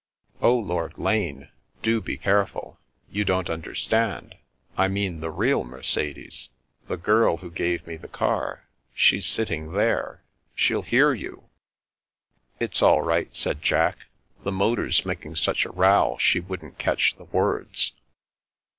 "Oh, Lord Lane, do be careful ! You don't under stand. I mean the real Mercedes. The girl who gave me the car. She's sitting there. She'll hear you." " It's all right," said Jack. " The motor's making such a row, she wouldn't catch the words."